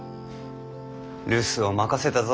留守を任せたぞ。